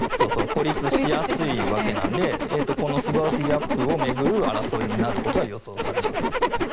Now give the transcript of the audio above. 孤立しやすいわけなのでこのスバウキ・ギャップを巡る争いになることは予想されます。